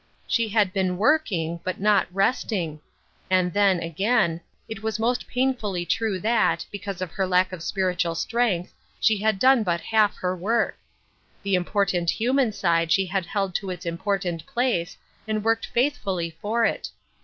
She had been working^ but not resting. And then, again, it Wherefore? 363 was most painfully true that, because of her lack of spiritual strength, she had done but half her work. The important human side she had held to its important place, and worked faith fully for it.